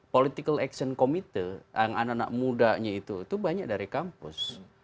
political action committee anak anak mudanya itu banyak dari kampus